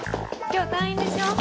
今日退院でしょ？